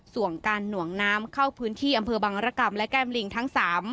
ส่วนการหน่วงน้ำเข้าพื้นที่อำเภอบังรกรรมและแก้มลิงทั้ง๓